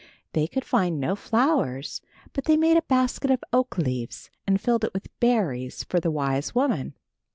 They could find no flowers, but they made a basket of oak leaves and filled it with berries for the wise woman.